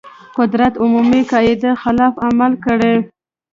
قدرت عمومي قاعدې خلاف عمل کړی.